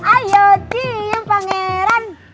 ayo diam pangeran